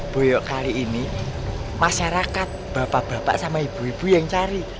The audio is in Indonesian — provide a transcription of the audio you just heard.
boyok kali ini masyarakat bapak bapak sama ibu ibu yang cari